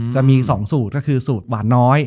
จะมี๒สูตรก็คือสูตรหวานน้อย